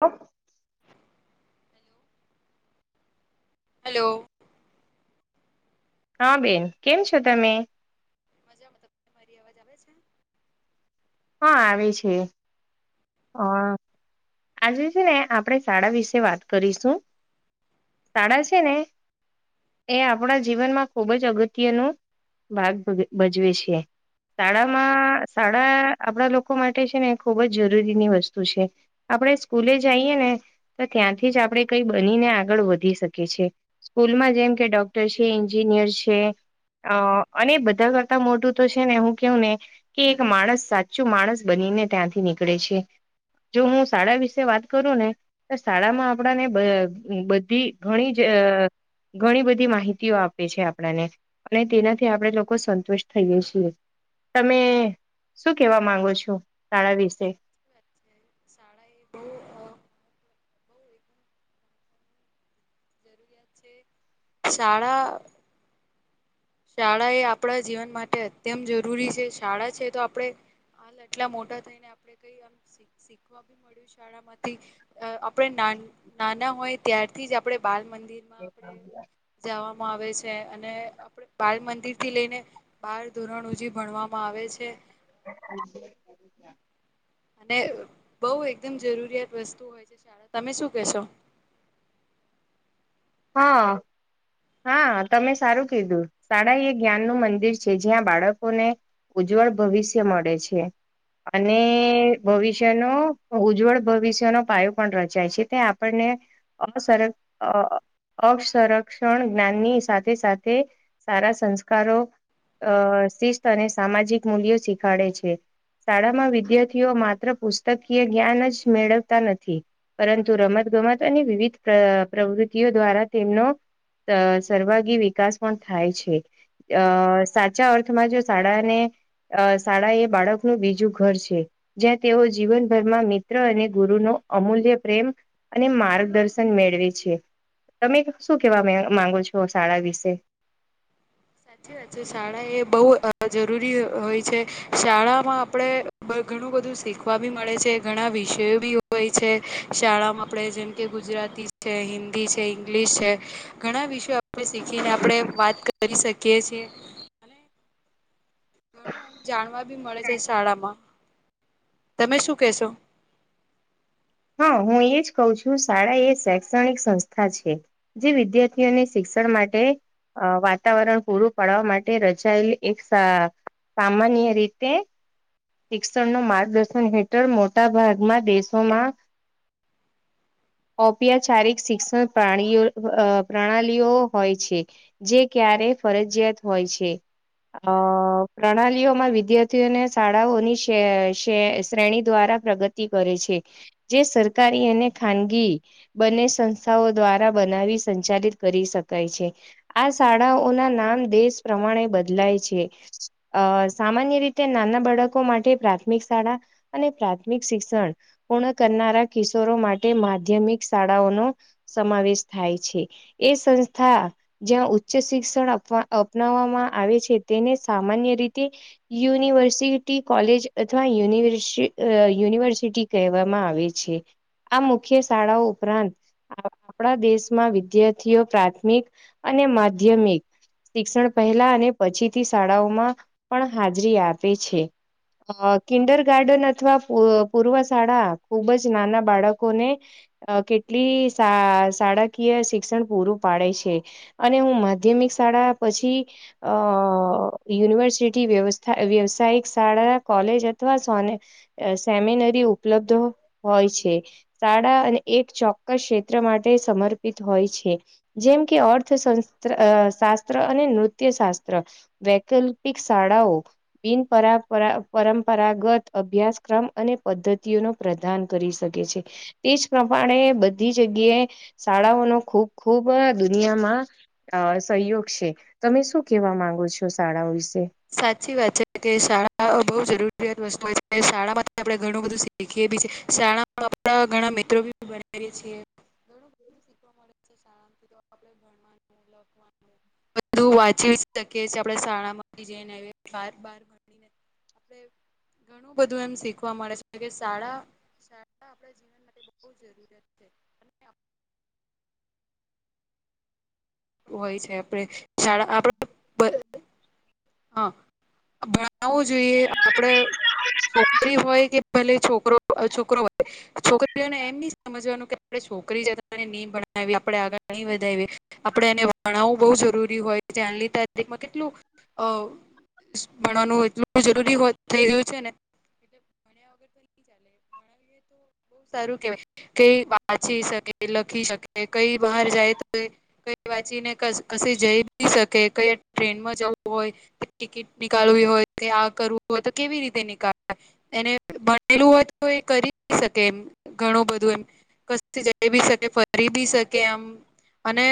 હ [unintelligible] hello hello. હા બેન કેમ છો તમે?? મજા મતલબ મારી અવાજ આવે છે. હા આવે છે હા. આજે છે ને આપણે શાળા વિશે વાત કરીશું શાળા છે ને એ આપણા જીવનમાં ખૂબ જ અગત્યનો ભાગ ભજવે છે. શાળામાં શાળા આપડા લોકો માટે છે ને ખુબ જ જરૂરીની વસ્તુ છે. આપણે સ્કૂલે જઈએ ને તો ત્યાંથી જ આપણે કઈ બનીને આગળ વધી શકીએ છી. સ્કૂલમાં જેમ કે ડોક્ટર છે એન્જિનિયર છે અ અને બધા કરતા મોટું તો છે ને હું કેવું ને કે એક માણસ સાચું માણસ બનીને ત્યાંથી નીકળે છે જો હું શાળા વિશે વાત કરું ને શાળામાં આપણા ને બધી ઘણી જ ઘણી બધી માહિતીઓ આપે છે આપણને અને તેનાથી આપણે લોકો સંતુષ્ટ થઈએે છીએ તમે શું કેવા માંગો છો શાળા વિશે [unintelligible] જરૂરિયાત છે શાળા. શાળા એ આપણા જીવન માટે અત્યંત જરૂરી છે શાળા છે તો આપણેે હાલ આટલા મોટા થઈને આપણેે કઈ આમ શીખવા બી મળ્યું છે. શાળામાંથી આપણે નાના નાના હોય ત્યારથી જ આપે બાલ મંદિર આપડે જવામાં આવે છે અને આપણે બાળ મંદિર થી લઈને બાળ ધોરણ ઉજી ભણવામાં આવે છે. [inaudible] અને બહુ એકદમ જરૂરિયાત વસ્તુ હોય છે શાળા તમે શું કેહેશો? હા હા તમે સારું કીધું શાળા એ જ્ઞાન નું મંદિર છે જ્યાં બાળકોને ઉજ્જવળ ભવિષ્ય મળે છે. અને ભવિષ્યનો ઉજ્જવળ ભવિષ્યનો પાયો પણ રચાય છે તે આપણને અ સર સર અક્ષ સંરક્ષણ જ્ઞાનની સાથે સાથે સારા સંસ્કારો અ શિસ્ત અને સામાજિક મૂલ્યો શીખાડે છે. શાળામાં વિદ્યાર્થીઓ માત્ર પુસ્તકીય જ્ઞાન જ મેળવતા નથી પરંતુ રમત ગમત અને વિવિધ પ્રવૃતિઓ દ્વારા તેમનો અ સર્વાગી વિકાસ પણ થાય છે. અ સાચા અર્થમાં જો શાળાને અ શાળા એ બાળકનું બીજું ઘર છે. જ્યાં તેઓ જીવનભરમાં મિત્ર અને ગુરુનો અમૂલ્ય પ્રેમ અને માર્ગદર્શન મેળવે છે તમે શું કેવા માંગો છો શાળા વિશે? સાચી વાત છે, શાળા એ બહુ જરૂરી હોય છે શાળામાં આપણે ઘણું બધું શીખવા બી મળે છે ઘણા વિષયો બી હોય છે શાળામાં આપણે જેમ કે ગુજરાતી છે હિન્દી છે ઇંગ્લિશ છે ઘણા વિષયો શીખીને આપણેે વાત કરી શકીએ છીએ. અને ઘણું એમ જાણવા બી મળે છે શાળામાં તમે શું કેશો? હા હું એજ કહુ છું શાળા એ શૈક્ષણિક સંસ્થા છે જે વિદ્યાર્થીઓને શિક્ષણ માટે અ વાતાવરણ પૂરું પાડવા માટે રચાયેલ એક સામાન્ય રીતે શિક્ષણ નુ માર્ગદર્શન હેઠળ મોટા ભાગમાં દેશોમાં ઔપચારિક શિક્ષણ પ્રાણીઓ પ્રણાલીઓ હોય છે જે ક્યારે ફરજિયાત હોય છે. અ પ્રણાલીઓમાં વિદ્યાર્થીઓને શાળાઓની શ્રેણી દ્વારા પ્રગતિ કરે છે. જે સરકારી અને ખાનગી બંને સંસ્થાઓ દ્વારા બનાવી સંચાલિત કરી શકાય છે. આ શાળાઓના નામ દેશ પ્રમાણે બદલાય છે. અ સામાન્ય રીતે નાના બાળકો માટે પ્રાથમિક શાળા અને પ્રાથમિક શિક્ષણ પૂર્ણ કરનારા કિશોરો માટે માધ્યમિક શાળાઓનો સમાવેશ થાય છે. એ સંસ્થા જ્યાં ઉચ્ચ શિક્ષણ અપવા અપનાવવામાં આવે છે તેને સામાન્ય રીતે યુનિવર્સિ ટી કોલેજ અથવા યુનિવર્ યુનિવર્સિટી કહેવામાં આવે છે. આ મુખ્ય શાળાઓ ઉપરાંત આપણા દેશમાં વિદ્યાર્થીઓ પ્રાથમિક અને માધ્યમિક શિક્ષણ પહેલા અને પછીથી શાળાઓમાં પણ હાજરી આપે છે. અ કિન્ડર ગાર્ડન અથવા પૂર્વ શાળા ખુબ જ નાના બાળકોને અ કેટલી શાળાકીય શિક્ષણ પૂરું પાડે છે. અને હું માધ્યમિક શાળા પછી અ યુનિવર્સિટી વ્યવસ્થા વ્યવસાયિક શાળા કોલેજ અથવા સ સેમિનરી ઉપલબ્ધ હોય છે. શાળા અને એક ચોક્કસ ક્ષેત્ર માટે સમર્પિત હોય છે. જેમ કે અર્થશસ્ શાસ્ત્ર અને નૃત્ય શાસ્ત્ર વૈકલ્પિક શાળાઓ બિન પરાપ પરા પરંપરાગત અભ્યાસક્રમ અને પદ્ધતિઓ ન પ્રદાન કરી શકે છે. તે જ પ્રમાણે બધી જગ્યાએ શાળાઓનો ખૂબ ખૂબ દુનિયામાં અ સહયોગ છે. તમે શું કેવા માંગો છો શાળાઓ વિશે? સાચી વાત છે કે શાળા બહુ જરૂરિયાત વસ્તુ હોય છે શાળામાં આપણે ઘણું બધું શીખીએ બી છે સાણાપડા ઘણા મિત્રો બી બનાવીએ છીએ સી મળે છે શ બધું વાંચી શકીએ છેએ આપડે શાળામાં જેને હવે ફાર બાર ભણી નથી ઘણું બધું એમ શીખવા મળે છે કે શાળા આપ જીવન માટે બહુ જરૂરિયાત છે. અને હોય છે આપણે શાળા આપડ હા ભણાવવું જોઈએ આપડે છો છોકરી હોય કે ભલે છોકરો છોકરો વધે છોકરીઓને એમ નહી સમજવાનું કે આપણે છોકરી છે તોને નહી ભણાવીએ આપણે આગળ નહી વધાવીએ આપણે એને ભણાવવું બહુ જરૂરી હોય ત્યાંની તારીખમાં કેટલું અ ભણવાનું એટલું જરૂરી હો થઈ ગયું છે ને એટ ભણ્યા વગર ચાલે ભણાવીએ તો સારું કેવાય કઈ વાચી શકે લખી શકે કઈ બહાર જાય તો એ વાંચીને ક કસે જઈ બી શકે કયા ટ્રેનમાં જવું હોય ટિકિટ નીકળવી હોય કે આ કરવું હોય તો કેવી રીતે નીકળે એને ભણેલું હોય તો એ કરી શકે એમ ઘણું બધું એમ ક જઈ બી શકે ફરી બી શકે એમ અને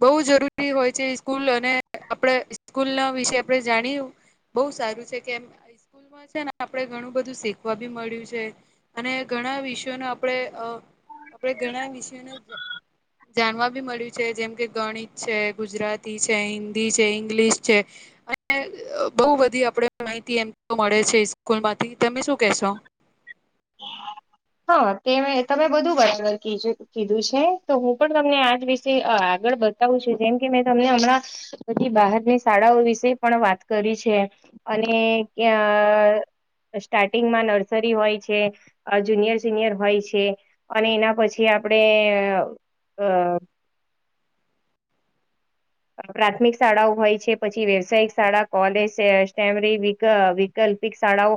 બહુ જરૂરી હોય છે સ્કૂલ અને આપણે સ્કૂલ ના વિશે આપણે જાણીયું બઉુ સારું છે કેમ સ્કૂલમાં છે ને આપે ઘણું બધું શીખવા બી મળ્યું છે. અને ઘણા વિષયોને આપણે અ આપણે ઘણા વિષયોને જાણવા બી મળ્યું છે જેમ કે ગણિત છે, ગુજરાતી છે, હિન્દી છે, ઇંગ્લિશ છે, અને બહુ બધી આપણે માહિતી એમ તો મળે છે સ્કૂલ માંથી તમે શું કહેશો [inaudible] હા તે તમે બધું વાર કીજુ કીધું છે તો હું પણ તમને આજ વિશે આગળ બ બતાવું છે જેમ કે મેં તમને હમણાં બધી બહારની શાળાઓ વિશે પણ વાત કરી છે. અને તયા સ્ટાર્ટિંગમાં નર્સરી હોય છે. કે જુનિયર સિનિયર હોય છે અને એના પછી આપડે અ પ્રાથમિક શાળાઓ હોય છે પછી વ્યવસાયિક શાળા કોલેજ સમરી ૈકલ્પિક શાળાઓ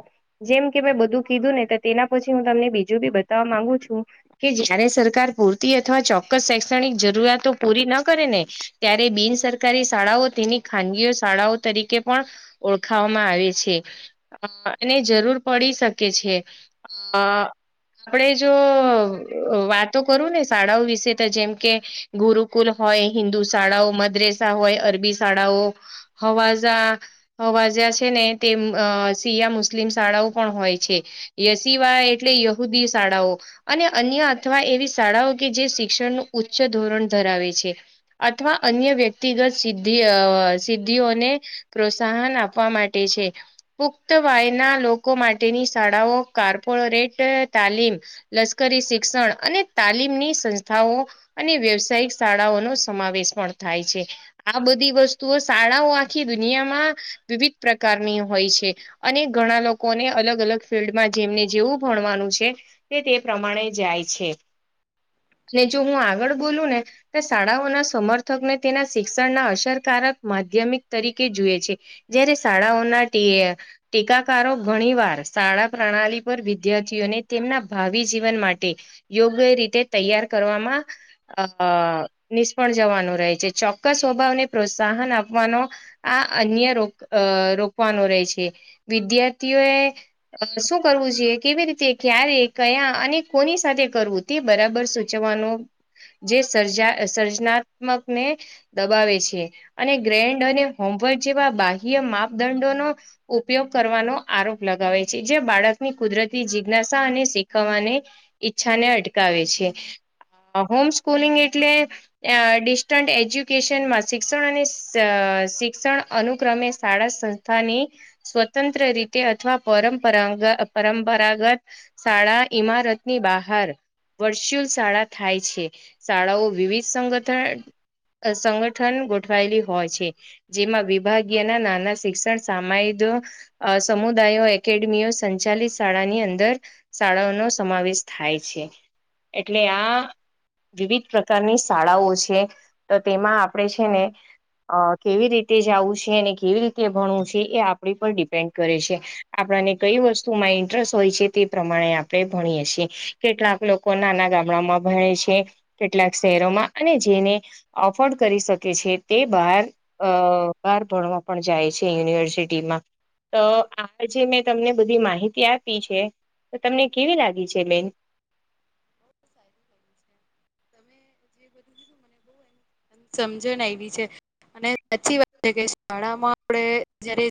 જેમ કે મેં બધું કીધું ને તેના પછી હું તમને બીજું બી બતાવવા માંગુ છું કે જયારે સરકાર પૂરતી અથવા ચોક્કસ શૈક્ષણિક જરૂરતો પૂરી ન કરે ને ત્યારે બિન સરકારી શાળાઓ તેની ખાનગીઓ શાળાઓ તરીકે પણ ઓળખાવામાં આવે છે અને જરૂર પડી શકે છે હ આપડે જો વાતો કરું ને શાળાઓ વિશે તો જેમ કે ગુરુકુલ હોય હિન્દુ શાળાઓ મદરેસા હોય અરબી શાળાઓ હવાઝ અવાજા છે ને તે અ સિયા મુસ્લિમ શાળાઓ પણ હોય છે યશિવા એટલે યહુદી શાળાઓ અને અન્ય અથવા એવી શાળાઓ કે જે શિક્ષણનું ઉચ્ચ ધોરણ ધરાવે છે અથવા અન્ય વ્યક્તિગત સિદ્ધિ અ સિદ્ધિઓને પ્રોત્સાહન આપવા માટે છે પુખ્ત વાયના લોકો માટેની શાળાઓ કોર્પોરેટ તાલીમ લશ્કરી શિક્ષણ અને તાલીમની સંસ્થાઓ અને વ્યવસાયિક શાળાઓનો સમાવેશ પણ થાય છે આ બધી વસ્તુઓ શાળાઓ આખી દુનિયામાં વિવિધ પ્રકારની હોય છે અને ઘણા લોકોને અલગ અલગ ફિલ્ડમાં જેમને જેવું ભણવાનું છે તે તે પ્રમાણે જાય છે ને જો હું આગળ બોલું ને તો શાળાઓના સમર્થ ને તેના શિક્ષણના અસરકારક માધ્યમિક તરીકે જોુએ છે જયારે સાડા ઓનાટીય ટેકાકારો ઘણી વાર શાળા પ્રણાલી પર વિદ્યાર્થીઓને તેમના ભાવિ જીવન માટે યોગ્ય રીતે તૈયાર કરવામાં અ નિષ્ફળ જવાનું છે ચોક્કસ સ્વભાવને પ્રોત્સાહન આપવાનો આ અન્ય રોક રોકવાનો રહેે છે વિદ્યાર્થીઓ એ શું કરવું જોઈએ કેવી રીતે ક્યારે કયા અને કોની સાથે કરવું થી બરાબર સૂચવાનો જે સ સર્જનાત્મકને, દબાવે છે અને ગ્રેન્ડ અને હોમવર્ક જેવા બાહ્ય માપદંડોનો ઉપયોગ કરવાનો આરોપ લગાવે છે જે બાળકની કુદરતી જિજ્ઞાસા અને શીખવવાને ઈચ્છાને અટકાવે છે હોમ સ્કૂલિંગ એટલે ડિસ્ટન્ટ એજ્યુકેશનમાં શિક્ષણ અને શિક્ષણ અનુક્રમે શાળા સંસ્થાની સ્વતંત્ર રીતે અથવા પરંપરા પરંપરાગત શાળા ઈમારત ની બહાર વર્ચ્યુઅલ શાળા થાય છે શાળાઓ વિવિધ સંગઠન સંગઠન ગોઠવાયેલી હોય છે જેમાં વિભાગીય ના નાના શિક્ષણ સામાયો અ સમુદાયો એકેડેમીઓ સંચાલિત શાળાની અંદર શાળાઓનોો સમાવેશ થાય છે એટલે આ વિવિધ પ્રકારની શાળાઓ છે તો તેમાં આપણેે છે ને અ કેવી રીતે જવું છે અને કેવી રીતે ભણવું છે એ આપણી પર ડિપેન્ડ કરે છે આપણને કઈ વસ્તુમાં ઇન્ટરેસ્ટ હોય છે તે પ્રમાણે આપણે ભણીએ છીએ કેટલાક લોકો નાના ગામડામાં ભણે છે કેટલાક શહેરોમાં અને જેને અફોર્ડ કરી શકે છે તે બાર અ કાર ભણવા પણ જાય છે યુનિવર્સિટીમાં તો આજે મેં તમને બધી માહિતી આપી છે તો તમને કેવી લાગી છે બેન બહુ સારું થયું છે. તમે જે બધુંીધું મને બ સમજણ આવી છે અને સાચી વાત છે કે શાળામાં આપણે જયારે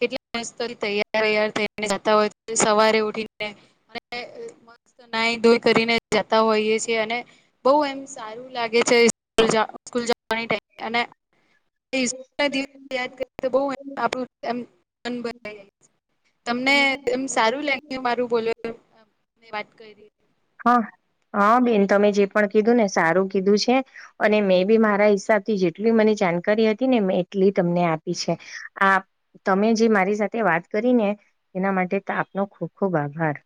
કેટલા મત તૈયાર તૈયાર થઈને જતા હોય સવારે ઉઠીને અને મસ્ત નાઈ ધોઈ કરીને જતા હોઈએ છીએ અને બઉ એમ સારું લાગે છે સ્કૂલ જાવા સ્કૂલ ટાઇ અને યાદ કરી તો બઉં આપણું એમ મન બનાઇએ તમને એમ સારું લાગ્યું મારું બોલવાનું વાત કરી હા હા બેન તમે જે પણ કીધું ને સારું કીધું છે અને મેં બી મારા હિસાબ થી જેટલી મને જાણકારી હતી ને મેં એટલી તમને આપી છે. આ તમે જે મારી સાથે વાત કરી ને એના માટે આપનો ખુબ ખુબ આભાર.